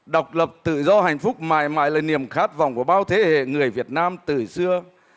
độc lập tự do hạnh phúc mãi mãi là niềm khát vọng của bao thế hệ người việt nam từ xưa